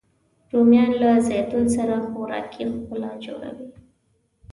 رومیان له زیتون سره خوراکي ښکلا جوړوي